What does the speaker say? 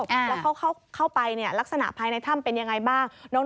แล้วเข้าไปลักษณะภายในถ้ำเป็นยังไงบ้าง